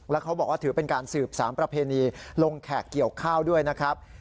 แล้วเขาบอกว่าถือเป็นการสืบสารประเพณีลงแขกเกี่ยวข้าวด้วยนะครับ